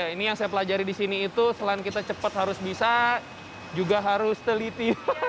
ini yang saya pelajari di sini itu selain kita cepat harus bisa juga harus teliti